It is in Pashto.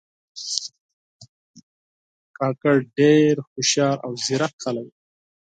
کاکړي ډېر هوښیار او زیرک خلک دي.